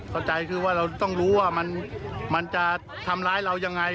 เข้าใจคือว่าเราต้องรู้ว่ามันจะทำร้ายเรายังไง